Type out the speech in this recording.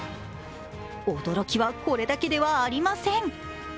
驚きはこれだけではありません。